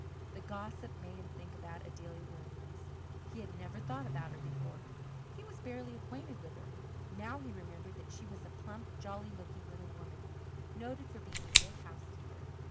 The gossip made him think about Adelia Williams. He had never thought about her before; he was barely acquainted with her. Now he remembered that she was a plump, jolly looking little woman, noted for being a good housekeeper.